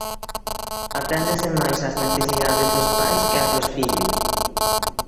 Aténdese máis ás necesidades dos pais que ás dos fillos.